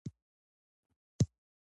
بوخت خلک مثبت فکر لري.